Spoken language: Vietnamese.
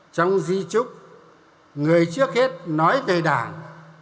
trong di trúc người trước hết nói về đảng